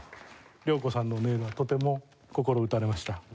怜子さんの音色はとても心打たれました。